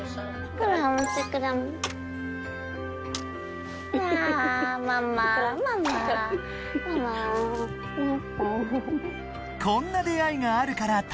［こんな出会いがあるから旅は楽しい］